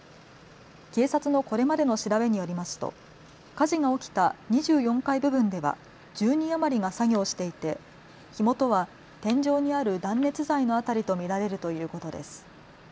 警察のこれまでの調べによりますと火事が起きた２４階部分では１０人余りが作業をしていて火元は天井にある断熱材の辺りと見られるということです。